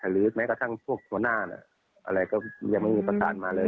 หรือแม้กระทั่งพวกหัวหน้าอะไรก็ยังไม่มีประธานมาเลย